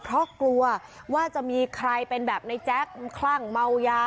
เพราะกลัวว่าจะมีใครเป็นแบบในแจ๊คคลั่งเมายา